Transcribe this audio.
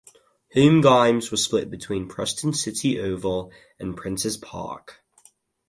Home games were split between Preston City Oval and Princes Park.